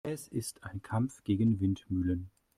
Es ist ein Kampf gegen Windmühlen.